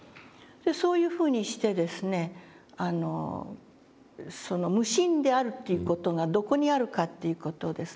そういうふうにしてですねその無心であるという事がどこにあるかという事ですね。